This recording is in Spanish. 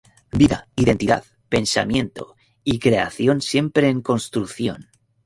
Vida, identidad, pensamiento y creación siempre en construcción.